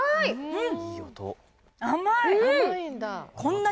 うん！